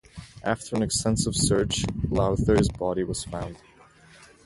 After an extensive search Lowther's body was found.